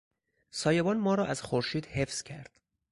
سایبان ما را از خورشید حفظ کرد.